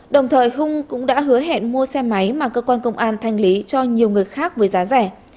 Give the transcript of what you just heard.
đồng thời hưng cũng đã hứa hẹn mua xe máy mà cơ quan công an thanh lý cho nhiều người khác với giá rẻ